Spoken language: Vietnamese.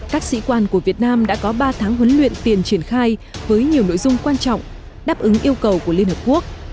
các sĩ quan của việt nam đã có ba tháng huấn luyện tiền triển khai với nhiều nội dung quan trọng đáp ứng yêu cầu của liên hợp quốc